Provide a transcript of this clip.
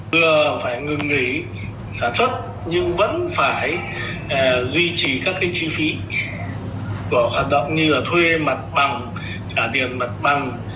vừa phải ngừng nghỉ sản xuất nhưng vẫn phải duy trì các cái chi phí của hoạt động như là thuê mặt bằng trả tiền mặt bằng